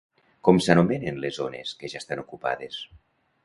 Com s'anomenen les zones que ja estan ocupades?